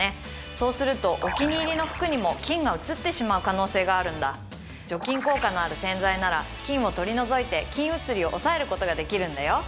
そうするとお気に入りの服にも菌が移ってしまう可能性があるんだ除菌効果のある洗剤なら菌を取り除いて菌移りを抑えることができるんだよ